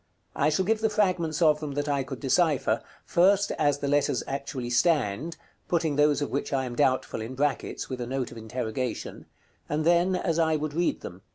I shall give the fragments of them that I could decipher; first as the letters actually stand (putting those of which I am doubtful in brackets, with a note of interrogation), and then as I would read them.